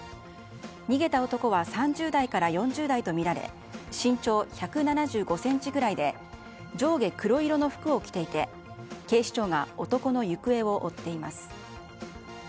逃げた男は３０代から４０代とみられ身長１７５ｃｍぐらいで上下黒色の服を着ていて警視庁が男の行方を追っています。